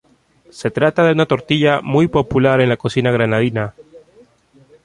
Se trata de una tortilla muy popular en la cocina granadina.